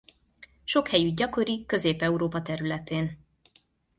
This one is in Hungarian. Sok helyütt gyakori Közép-Európa területén.